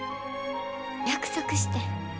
約束してん。